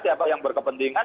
siapa yang berkepentingan